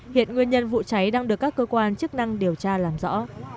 hiện nguyên nhân vụ cháy đang được các cơ quan chức năng điều tra làm rõ